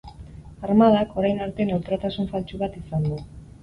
Armadak, orain arte, neutraltasun faltsu bat izan du.